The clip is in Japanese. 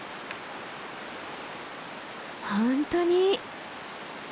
本当に。